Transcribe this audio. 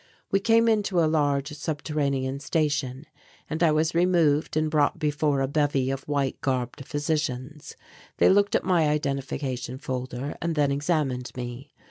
We came into a large subterranean station and I was removed and brought before a bevy of white garbed physicians. They looked at my identification folder and then examined me.